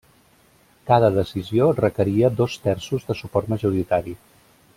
Cada decisió requeria dos terços de suport majoritari.